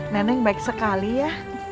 nenek baik sekali ya